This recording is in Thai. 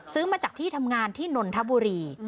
ซื้อมาจากที่ทำงานที่นนทบุรี